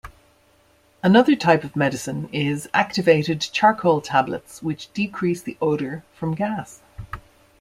Another type of medicine is activated charcoal tablets which decrease the odor from gas.